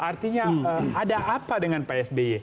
artinya ada apa dengan psby